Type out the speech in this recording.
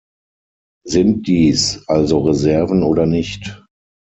Sind dies also Reserven oder nicht?